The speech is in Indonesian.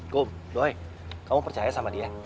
kom doy kamu percaya sama dia